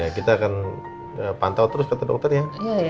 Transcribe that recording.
ya kita akan pantau terus kata dokter ya